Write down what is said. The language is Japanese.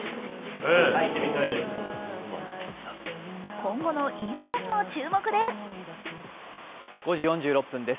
今後のインスタにも注目です。